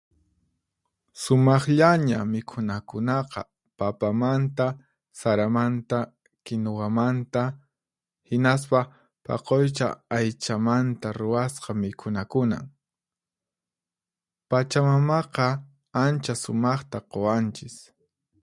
Sumaqllaña mikhunakunaqa papamanta, saramanta, kinuwamanta, hinaspa paqucha aychamanta ruwasqa mikhunakunan. Pachamamaqa ancha sumaqta quwanchis.